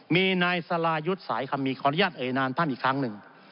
มีนายสรายุทธ์สายคำมีขออนุญาตเอ่ยนามท่านอีกครั้งหนึ่ง